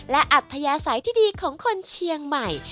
และอัธยาศัยที่ดีของคนเชียงใหม่